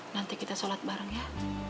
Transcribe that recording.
nanti kita sholat bareng ya